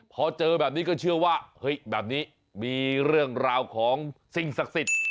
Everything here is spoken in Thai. พอเจอแบบนี้ก็เชื่อว่าเฮ้ยแบบนี้มีเรื่องราวของสิ่งศักดิ์สิทธิ์